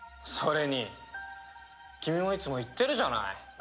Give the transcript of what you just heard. それに君もいつも言ってるじゃない。